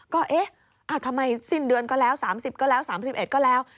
ก็เอ๊ะทำไมสิ้นเดือนก็แล้ว๓๐ก็แล้ว๓๑ก็แล้ว